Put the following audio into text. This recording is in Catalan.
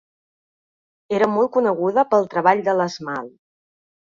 Era molt coneguda pel treball de l'esmalt.